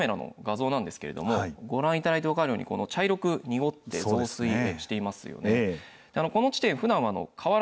こちら、設置されている河川カメラの画像なんですけれども、ご覧いただいて分かるように、茶色く濁って増水していますよね。